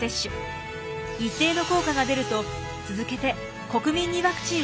一定の効果が出ると続けて国民にワクチンを接種しました。